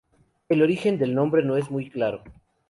El origen del nombre no es muy claro.